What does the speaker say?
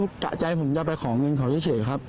ก็คือกะใจผมจะไปของเงินของเขาเฉยครับ